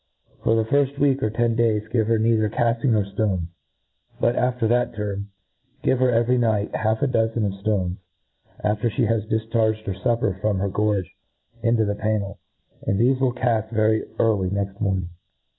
For the fiift week, or ten days, give her neither cafting nor ftones } but, after that term, give her every night half a dozen of ftones, after fhe has difcharged her fupper from her gorge into the pannel ; and thde (he will caft very early next morning.